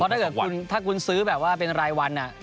ถ้าเกิดถ้าคุณซื้อแบบว่าเป็นรายวัน